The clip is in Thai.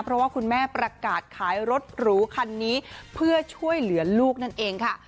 เพราะว่าคุณแม่ประกาศขายรถหรูคันนี้เพื่อช่วยเหลือลูกนั่นเองค่ะ